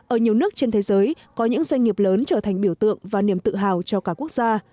ở nhiều nước trên thế giới có những doanh nghiệp lớn trở thành biểu tượng và niềm tự hào cho cả quốc gia